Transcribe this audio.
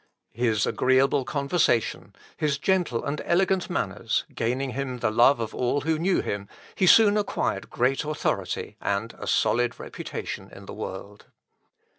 His agreeable conversation, his gentle and elegant manners, gaining him the love of all who knew him, he soon acquired great authority, and a solid reputation in the world.